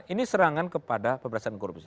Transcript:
ini serangan kepada pemberantasan korupsi